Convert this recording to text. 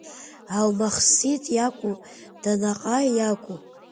Алмахсиҭ иакәу, данаҟаи иакәу?